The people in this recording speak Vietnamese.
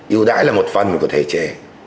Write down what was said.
yêu đãi là một phần của thể chế